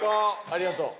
ありがとう。